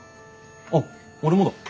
あっ俺もだ。